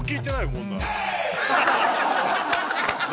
こんなの。